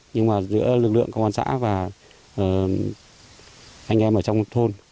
nhưng mà giữa lực lượng công an xã và anh em ở trong thôn